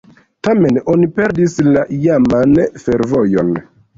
Tamen oni perdis la iaman fervojon.